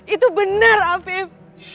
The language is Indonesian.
itu benar afif